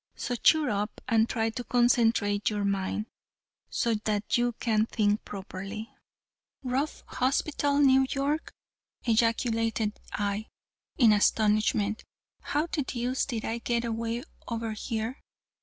So cheer up, and try to concentrate your mind, so that you can think properly." "Ruff Hospital, New York!" ejaculated I, in astonishment. "How the deuce did I get away over here?